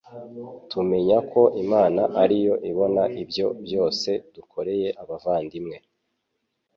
tumenyako Imana ariyo ibona ibyo byose dukoreye abavandimwe